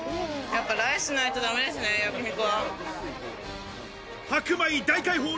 やっぱライスないとだめですね、焼肉は。